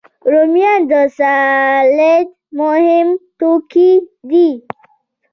رومیان د سلاد مهم توکي دي